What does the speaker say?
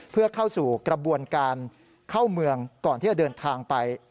เพื่อเข้าสู่กระบวนการเข้าเมืองก่อนที่จะเดินทางไป